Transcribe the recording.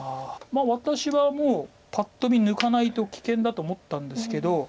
私はもうパッと見抜かないと危険だと思ったんですけど。